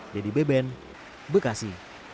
dedy beben bekasi